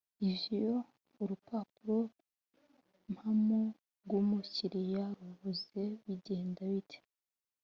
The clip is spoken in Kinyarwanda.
iv iyo urupapurompamo rw’umukiriya rubuze bigenda bite‽